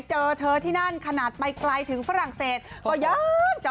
จะเป็นเพราะว่าอะไรไปฟังแพนเค้กน่ะค่ะ